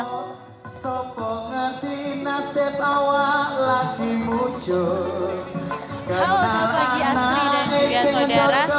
halo selamat pagi asri dan juga saudara